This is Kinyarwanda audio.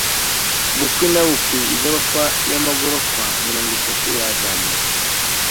Bukwi na bukwi, igorofa y'amagorofa mirongo itatu yazamutse.